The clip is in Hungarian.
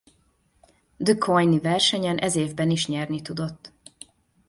DuQuoin-i versenyen ez évben is nyerni tudott.